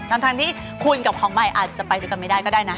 ทั้งที่คุณกับของใหม่อาจจะไปด้วยกันไม่ได้ก็ได้นะ